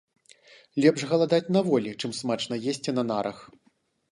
Лепш галадаць на волі, чым смачна есці на нарах.